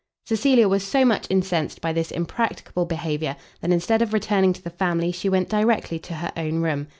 Cecilia was so much incensed by this impracticable behaviour, that instead of returning to the family, she went directly to her own room.